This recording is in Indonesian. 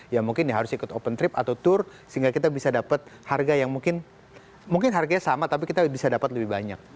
ya mungkin ya harus ikut open trip atau tour sehingga kita bisa dapat harga yang mungkin harganya sama tapi kita bisa dapat lebih banyak